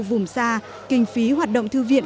vùng xa kinh phí hoạt động thư viện